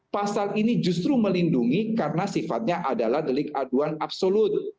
pasal ini justru melindungi karena sifatnya adalah delik aduan absolut